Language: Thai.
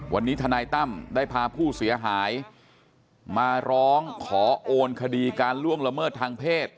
วันนี้ทนายตั้มได้พาผู้เสียหายมาร้องขอโอนคดีการล่วงละเมิดทางเพศ